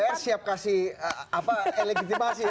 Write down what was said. dpr siap kasih elektriasi